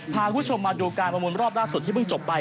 พาคุณผู้ชมมาดูการประมูลรอบล่าสุดที่เพิ่งจบไป